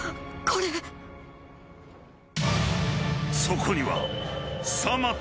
［そこには］